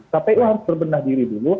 kpu harus berbenah diri dulu